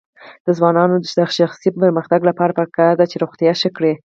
د ځوانانو د شخصي پرمختګ لپاره پکار ده چې روغتیا ښه کړي.